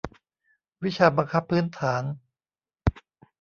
วิชาบังคับพื้นฐาน